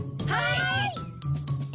はい！